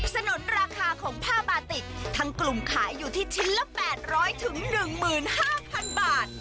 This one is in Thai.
สนุนราคาของผ้าบาติกทั้งกลุ่มขายอยู่ที่ชิ้นละ๘๐๐๑๕๐๐๐บาท